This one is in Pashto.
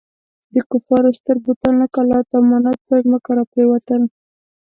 د کفارو ستر بتان لکه لات او منات پر ځمکه را پرېوتل.